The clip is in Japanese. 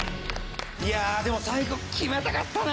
いやでも最後きめたかったな。